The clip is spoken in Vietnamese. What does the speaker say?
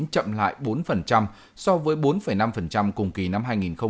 chậm lại bốn so với bốn năm cùng kỳ năm hai nghìn một mươi tám